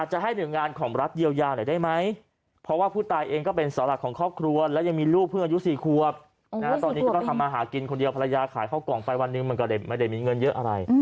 หลังไปวันนึงมันก็ไม่ได้มีเงินเยอะอะไร